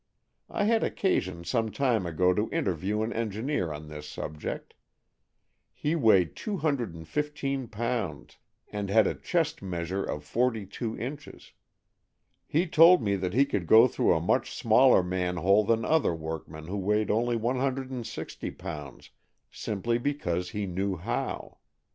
I had occasion some time ago to interview an engineer on this subject. He weighed two hundred and fifteen pounds, and had a chest measure of forty two inches. He told me that he could go through a much smaller man hole than another workman who weighed only one hundred and sixty pounds, simply because he knew how.